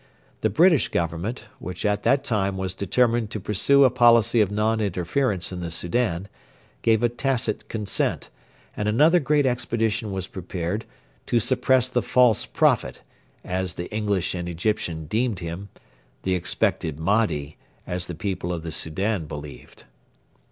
The British Government, which at that time was determined to pursue a policy of non interference in the Soudan, gave a tacit consent, and another great expedition was prepared to suppress the False Prophet, as the English and Egyptians deemed him 'the expected Mahdi,' as the people of the Soudan believed.